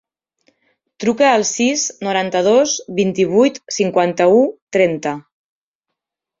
Truca al sis, noranta-dos, vint-i-vuit, cinquanta-u, trenta.